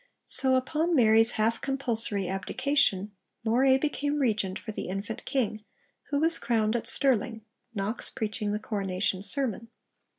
So upon Mary's half compulsory abdication, Moray became Regent for the infant King, who was crowned at Stirling, Knox preaching the coronation sermon.